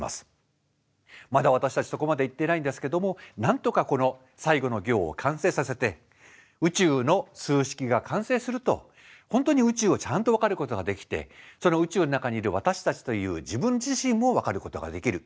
まだ私たちそこまで行ってないんですけどもなんとかこの最後の行を完成させて宇宙の数式が完成すると本当に宇宙をちゃんと分かることができてその宇宙の中にいる私たちという自分自身もわかることができる。